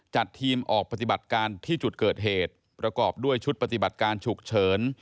จัดทีมออกปฏิบัติการที่จุดเกิดเหตุประกอบด้วยชุดปฏิบัติการฉุกเฉิน